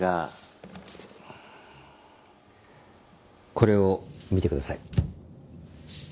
これを見てください。